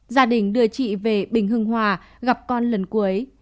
gia đình đưa chị về bình hưng hòa gặp con lần cuối